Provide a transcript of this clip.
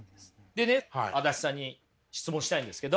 でね足立さんに質問したいんですけど。